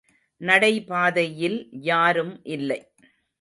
நடைபாதையில் யாரும் இல்லை.